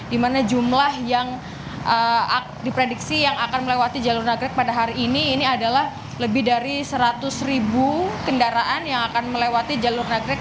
di mana jumlah yang diprediksi yang akan melewati jalur nagrek pada hari ini ini adalah lebih dari seratus ribu kendaraan yang akan melewati jalur nagrek